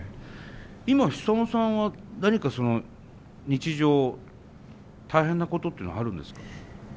今ヒサノさんは何か日常大変なことっていうのはあるんですか？